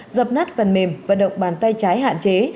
dập nắp phần mềm và động bàn tay trái hạn chế